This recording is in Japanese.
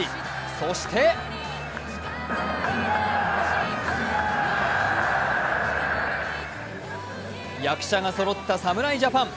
そして役者がそろった侍ジャパン。